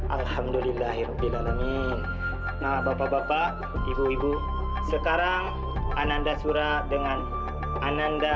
alhamdulillahirrohmanirrohim nah bapak bapak ibu ibu sekarang ananda surat dengan ananda